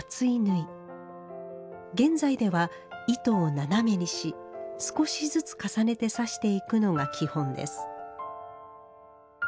現在では糸を斜めにし少しずつ重ねて刺していくのが基本です